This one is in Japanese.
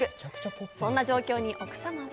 そんな状況に奥様は。